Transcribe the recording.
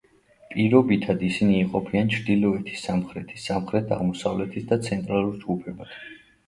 პირობითად ისინი იყოფიან ჩრდილოეთის, სამხრეთის, სამხრეთ-აღმოსავლეთის და ცენტრალურ ჯგუფებად.